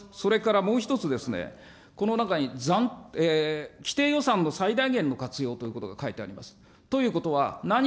それからもう１つですね、この中に既定予算の最大限の活用ということが書いてあります。